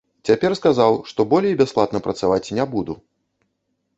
Цяпер сказаў, што болей бясплатна працаваць не буду.